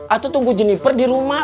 atau tunggu jenniper di rumah